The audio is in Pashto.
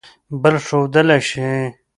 بل ښودلئ شی